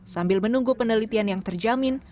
sambil menunggu penelitian yang terjamin